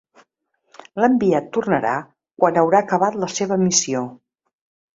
L'enviat tornarà quan haurà acabat la seva missió.